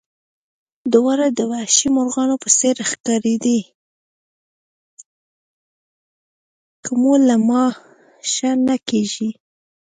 دواړه د وحشي مرغانو په څېر ښکارېدې، که مو له ما ښه نه کېږي.